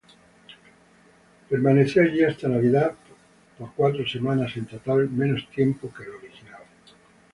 Permaneció allí hasta Navidad por cuatro semanas en total, menos tiempo que la original.